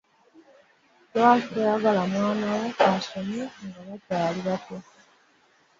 Lwaki toyagala mwana wo asome nga bakyali bato?